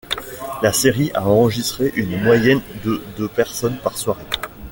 La série a enregistré une moyenne de de personnes par soirée.